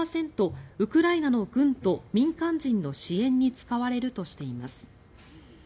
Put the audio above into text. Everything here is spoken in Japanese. ウクライナの軍と民間人の支援に使われるとしています。